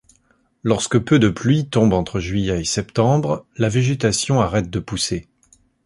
Lorsque peu de pluie tombe entre juillet et septembre, la végétation arrête de pousser.